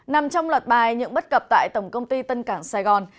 nằm trong loạt bài những bất cập tại tổng công ty tân cảng sài gòn